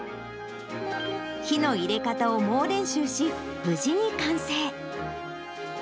火の入れ方を猛練習し、無事に完成。